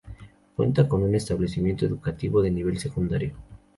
Cuenta con un establecimiento educativo de nivel secundario.